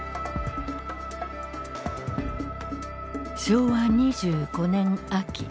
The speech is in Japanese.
昭和２５年秋。